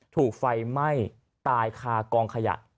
ถูกไฟไหม้ตายคากองขยะ